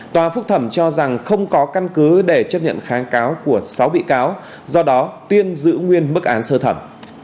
tòa phúc thẩm cho rằng không có căn cứ để chấp nhận kháng cáo của sáu bị cáo do đó tuyên giữ nguyên mức án sơ thẩm